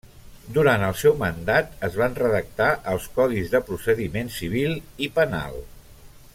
Durant el seu mandat es van redactar els Codis de Procediment Civil i Penal.